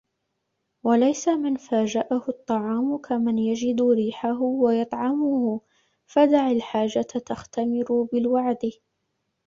وَلَيْسَ مَنْ فَاجَأَهُ الطَّعَامُ كَمَنْ يَجِدُ رِيحَهُ وَيَطْعَمُهُ فَدَعْ الْحَاجَةَ تَخْتَمِرُ بِالْوَعْدِ